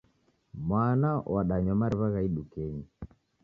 Mwana wadanywa mariw'a gha idukenyi.